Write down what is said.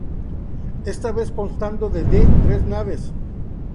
Esta vez, constando de de tres naves.